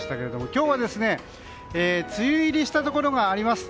今日は梅雨入りしたところがあります。